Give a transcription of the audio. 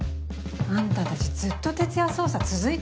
あんたたちずっと徹夜捜査続いてたじゃん。